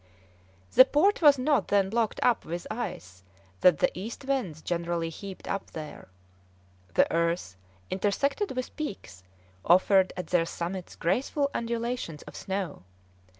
The port was not then blocked up with ice that the east winds generally heaped up there; the earth, intersected with peaks, offered at their summits graceful undulations of snow.